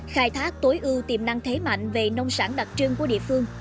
khai thác tối ưu tiềm năng thế mạnh về nông sản đặc trưng của địa phương